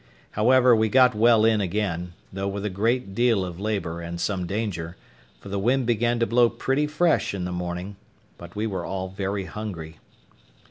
However, we got well in again, though with a great deal of labour and some danger; for the wind began to blow pretty fresh in the morning; but we were all very hungry.